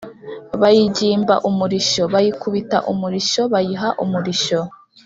bayigimba umurishyo: bayikubita umurishyo: bayiha umurishyo